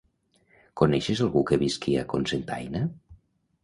Coneixes algú que visqui a Cocentaina?